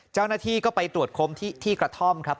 เจ้าหน้าที่ก็ไปตรวจค้นที่กระท่อมครับ